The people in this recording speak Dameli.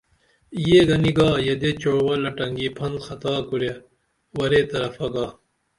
یہ گنی گا یدے چعوہ لٹنگی پھن خطا کُرے ورے طرفہ گا